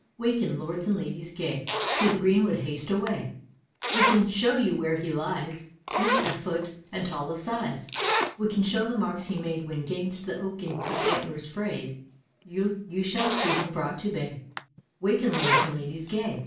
Waken, lords and ladies gay, To the greenwood haste away; We can show you where he lies, Fleet of foot and tall of size; We can show the marks he made When 'gainst the oak his antlers frayed; You shall see him brought to bay: 'Waken, lords and ladies gay.'